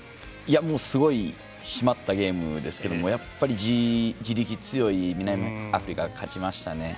もう、すごい締まったゲームですけれどもやっぱり地力が強い南アフリカが勝ちましたね。